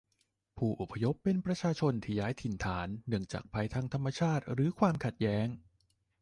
ผู้อพยพเป็นประชาชนที่ย้ายถิ่นฐานเนื่องจากภัยทางธรรมชาติหรือความขัดแย้ง